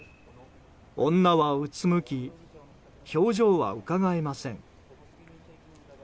女はうつむき表情はうかがえません。